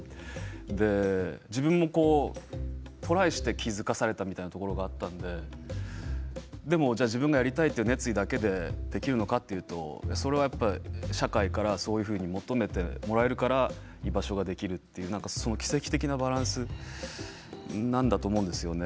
自分も、トライして気付かされてみたいなところがあったので自分がやりたいという熱意だけでできるのかというと社会から求めてもらえるから居場所ができるという奇跡的なバランスなんだと思うんですよね。